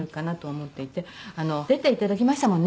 出て頂きましたもんね